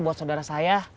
buat saudara saya